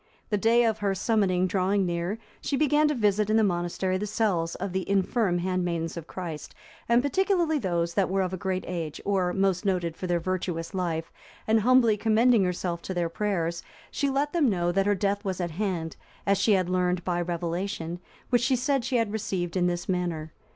The day of her summoning drawing near, she began to visit in the monastery the cells of the infirm handmaidens of Christ, and particularly those that were of a great age, or most noted for their virtuous life, and humbly commending herself to their prayers, she let them know that her death was at hand, as she had learnt by revelation, which she said she had received in this manner.